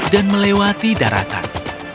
dan melewati daratan